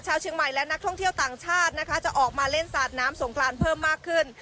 เชียงใหม่และนักท่องเที่ยวต่างชาตินะคะจะออกมาเล่นสาดน้ำสงกรานเพิ่มมากขึ้น